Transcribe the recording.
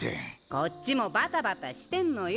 こっちもバタバタしてんのよ。